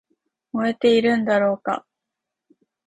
燃えているんだろうか